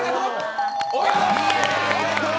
お見事！！